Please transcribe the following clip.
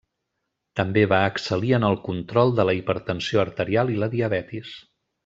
També va excel·lir en el control de la hipertensió arterial i la diabetis.